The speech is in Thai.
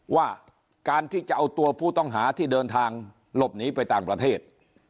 ว่าการที่จะเอาตัวผู้ต้องหาที่เดินทางหลบหนีไปต่างประเทศ